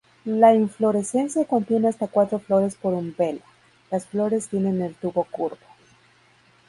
La inflorescencia contiene hasta cuatro flores por umbela, las flores tienen el tubo curvo.